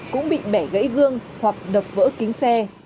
cũng bị bẻ gãy gương hoặc đập vỡ kính xe